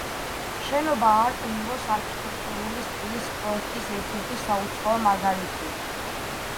შენობა არტ-ნუვოს არქიტექტურული სტილის პროექტის ერთ-ერთი საუცხოო მაგალითია.